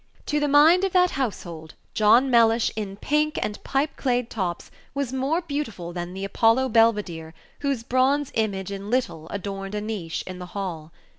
To the mind of that household, John Mellish in "pink" and pipe clayed tops was more beautiful than the Apollo Belvidere whose bronze image in little adorned a niche in the hall.